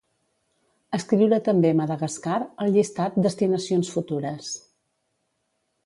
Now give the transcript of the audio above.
Escriure també Madagascar al llistat "destinacions futures".